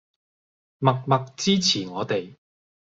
默默支持我哋